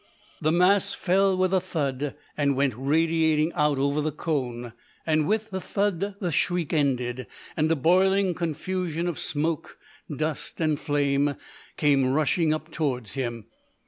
The mass fell with a thud, and went radiating over the cone. With the thud the shriek ended, and a boiling confusion of smoke, dust, and flame came rushing up towards him.